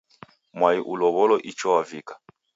Mwai ulow'olo icho wavika